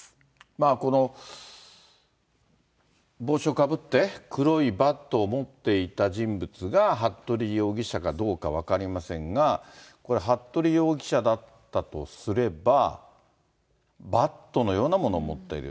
まあこの、帽子をかぶって、黒いバットを持っていた人物が、服部容疑者かどうか分かりませんが、これ、服部容疑者だったとすれば、バットのようなものを持っている。